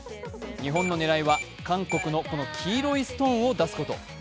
日本の狙いは韓国のこの黄色いストーンを出すこと。